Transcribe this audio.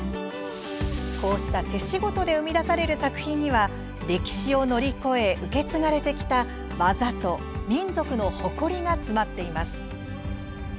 こうした手仕事で生み出される作品には歴史を乗り越え受け継がれてきた技と民族の誇りが詰まっています。